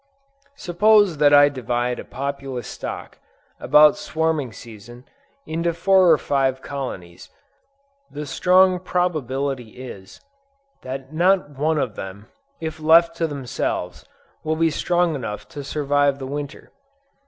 Suppose that I divide a populous stock, about swarming season, into four or five colonies; the strong probability is, that not one of them, if left to themselves, will be strong enough to survive the Winter.